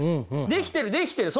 できてるできてる！